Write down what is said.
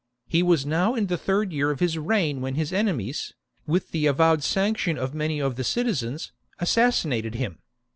He was now in the third year of his reign when his enemies, with the avowed sanction of many of the citizens, assassinated him.